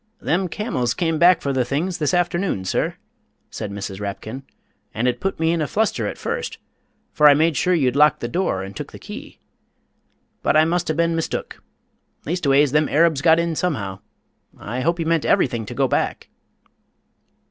"Them camels come back for the things this afternoon, sir," said Mrs. Rapkin, "and it put me in a fluster at first, for I made sure you'd locked your door and took the key. But I must have been mistook leastways, them Arabs got in somehow. I hope you meant everything to go back?"